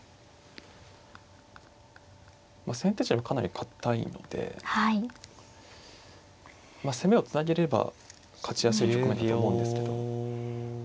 先手陣はかなり堅いのでまあ攻めをつなげれば勝ちやすい局面だと思うんですけど。